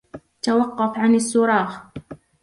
توقف عن الصراخ!